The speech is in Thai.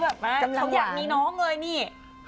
พี่แบบนั้นพี่ก็อยากมีน้องเลยเนี่ย